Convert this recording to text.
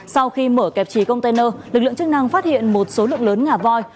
sau khi mở kẹp trì container lực lượng chức năng phát hiện một số lượng lớn ngà voi